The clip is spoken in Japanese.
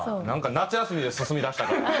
なんか夏休みで進みだしたから。